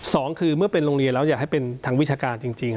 สองคือเมื่อเป็นโรงเรียนแล้วอยากให้เป็นทางวิชาการจริง